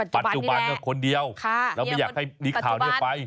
ปัจจุบันก็คนเดียวแล้วไม่อยากให้นักข่าวนี้ไป